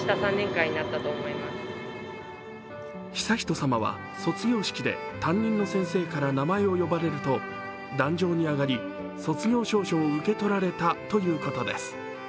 悠仁さまは卒業式で担任の先生から名前を呼ばれると、檀上に上がり卒業証書を受け取られたということです。